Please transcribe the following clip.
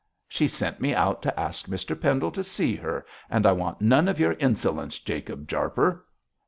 'She sent me out to ask Mr Pendle to see her, and I want none of your insolence, Jacob Jarper.'